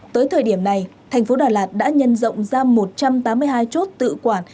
tới thời điểm này thành phố đà lạt đã nhân rộng ra một trăm tám mươi hai chốt tự quản